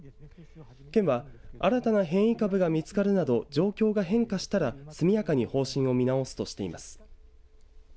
県は、新たな変異株が見つかるなど状況が変化したら速やかに方針を見直すとしています。